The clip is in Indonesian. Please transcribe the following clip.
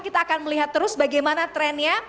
kita akan melihat terus bagaimana trennya